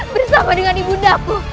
bersama dengan ibu naku